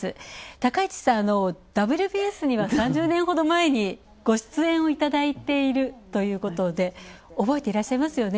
高市さん、「ＷＢＳ」には３０年前にご出演をいただいてるということで、覚えていらっしゃいますよね。